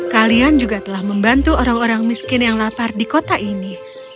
kalian juga telah membantu orang orang miskin yang lapar di kota ini